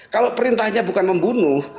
kalau perintahnya bukan membunuh